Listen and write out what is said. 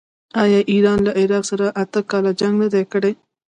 آیا ایران له عراق سره اته کاله جنګ نه دی کړی؟